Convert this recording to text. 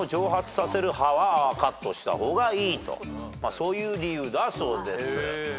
そういう理由だそうです。